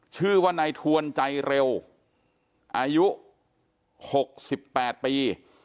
ชื่อว่านายทวนใจเร็วอายุ๖๘ปี